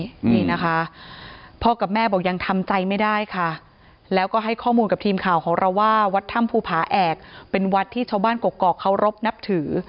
นี่นะคะพ่อกับแม่บอกยังทำใจไม่ได้ค่ะแล้วก็ให้ข้อมูลกับทีมข่าวของเราว่าวัดถ้ำภูผาแอกเป็นวัดที่ชาวบ้านกรกเคารพนับถือ